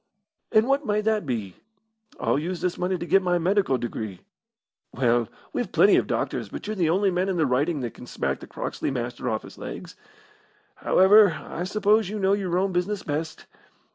"And what may that be?" "I'll use this money to get my medical degree." "Well, we've plenty of doctors, but you're the only man in the Riding that could smack the Croxley Master off his legs. However, I suppose you know your own business best.